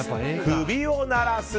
首を鳴らす。